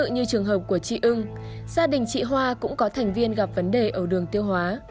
như trường hợp của chị ưng gia đình chị hoa cũng có thành viên gặp vấn đề ở đường tiêu hóa